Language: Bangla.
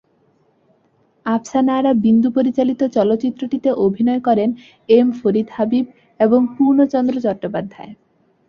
আফসানা আরা বিন্দু পরিচালিত চলচ্চিত্রটিতে অভিনয় করেন এম ফরিদ হাবিব এবং পূর্ণচন্দ্র চট্টোপাধ্যায়।